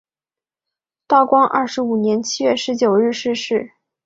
道光二十五年七月十九日逝世。